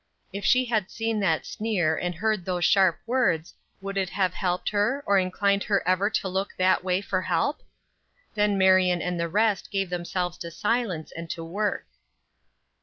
If she had seen that sneer and heard those sharp words would it have helped her, or inclined her ever to look that way for help? Then Marion and the rest gave themselves to silence and to work.